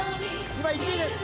今１位です。